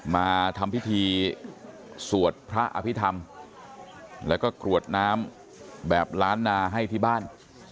มาทำพิธีสวดพระอภิษฐรรมแล้วก็กรวดน้ำแบบล้านนาให้ที่บ้าน